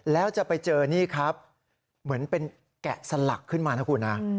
แล้วจะไปเจอนี่ครับเหมือนเป็นแกะสลักขึ้นมานะคุณนะ